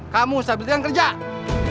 kamu saya berikan kerjaan